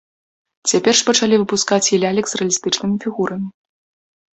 Цяпер жа пачалі выпускаць і лялек з рэалістычнымі фігурамі.